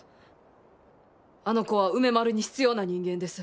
あの子は梅丸に必要な人間です。